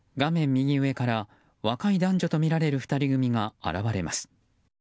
右上から若い男女とみられる２人組が現れます。